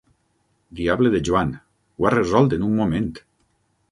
Diable de Joan: ho ha resolt en un moment!